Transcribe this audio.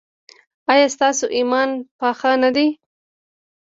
ایا ستاسو ایمان پاخه نه دی؟